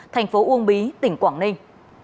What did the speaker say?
thành phố uông bí tỉnh quảng ninh